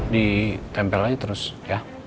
ditempel aja terus ya